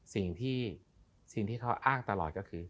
สิ่งที่เขาอ้างตลอดก็คือ